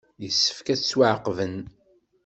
Yessefk ad ttwaɛaqben.